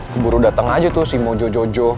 keburu datang aja tuh si mojo jojo